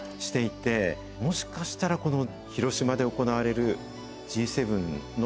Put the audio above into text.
もしかしたらこの広島で行われる。